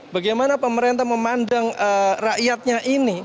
bagaimana pemerintah memandang rakyatnya ini